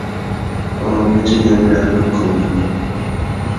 ئاڭغىچە يەنە بىر ئەخمەق قىلمايمەنمۇ!